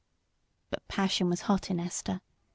But passion was hot in Esther.